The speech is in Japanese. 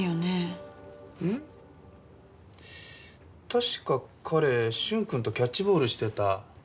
確か彼駿君とキャッチボールしてた。